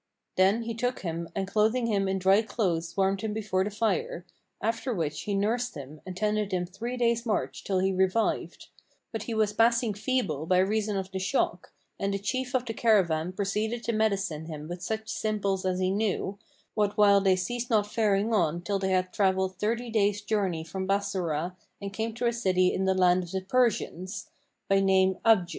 Then he took him and clothing him in dry clothes warmed him before the fire; after which he nursed him and tended him three days' march till he revived; but he was passing feeble by reason of the shock, and the chief of the caravan proceeded to medicine him with such simples as he knew, what while they ceased not faring on till they had travelled thirty days' journey from Bassorah and came to a city in the land of the Persians, by name 'Aъj.